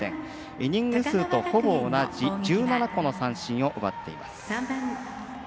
イニング数とほぼ同じ１７個の三振を奪っています。